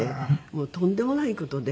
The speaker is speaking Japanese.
もうとんでもない事で。